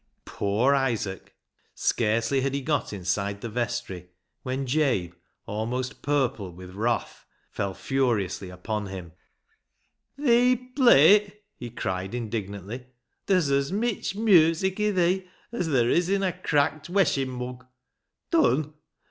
Poor Isaac ! scarcely had he got inside the vestry when Jabe, almost purple with wrath, fell furiously upon him. " Thee play !" he cried indignantly. " Ther's as mitch music i' thee as ther' is in a cracked weshing mug ! Dun ?